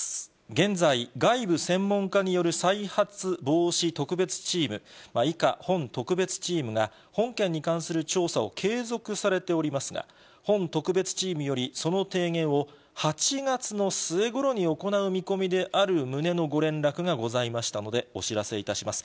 現在、外部専門家による再発防止特別チーム、以下、本特別チームが、本件に関する調査を継続されておりますが、本特別チームより、その提言を８月の末ごろに行う見込みである旨のご連絡がございましたので、お知らせいたします。